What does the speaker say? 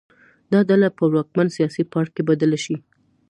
دا ډله پر واکمن سیاسي پاړکي بدله شي.